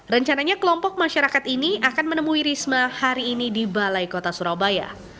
rencananya kelompok masyarakat ini akan menemui risma hari ini di balai kota surabaya